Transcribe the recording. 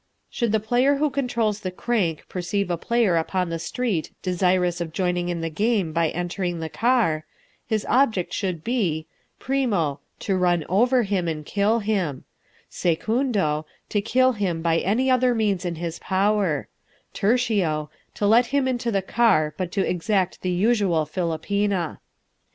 Should the player who controls the crank perceive a player upon the street desirous of joining in the game by entering the car, his object should be: primo, to run over him and kill him; secundo, to kill him by any other means in his power; tertio, to let him into the car, but to exact the usual philopena.